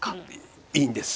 いいんです。